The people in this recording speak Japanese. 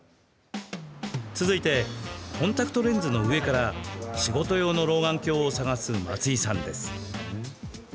続いてコンタクトレンズの上から仕事用の老眼鏡を探す松井さんです。